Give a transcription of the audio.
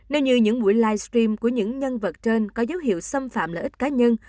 nếu như những buổi livestream của những nhân vật trên có dấu hiệu xâm phạm lợi ích cá nhân